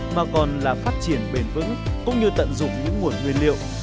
mà còn là phát triển bền vững cũng như tận dụng những nguồn nguyên liệu